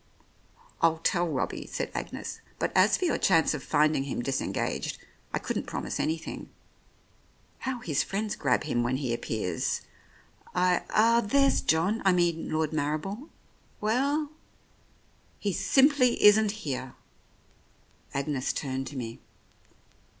"I'll tell Robbie," said Agnes, "but as for your chance of finding him disengaged, I couldn't promise anything. How his friends grab him when he ap pears I Ah, there's John — I mean Lord Marrible. Well ?" ioo The Oriolists "He simply isn't here." Agnes turned to me.